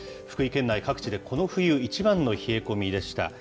福井県内各地でこの冬一番の冷え込みでした。